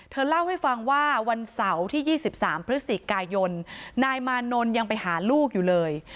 เธอเล่าให้ฟังว่าวันเสาร์ที่๒๓พฤศจิกายนนายมานนท์ยังไปหาลูกอยู่เลย